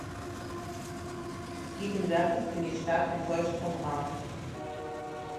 Gegenwärtig bin ich stark enttäuscht vom Rat.